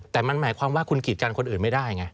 แต่มันหมายความว่าคุณกีดกันคนอื่นไม่ได้ไง